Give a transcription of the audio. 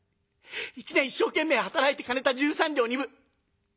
一年一生懸命働いてためた十三両二分。